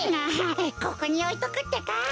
あここにおいとくってか。